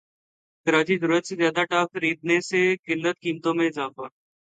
کراچی ضرورت سے زیادہ ٹا خریدنے سے قلت قیمتوں میں اضافہ